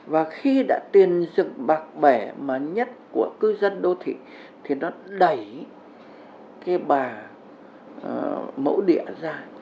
và khi đã tiền dựng bạc bể mà nhất của cư dân đô thị thì nó đẩy cái bà mẫu địa ra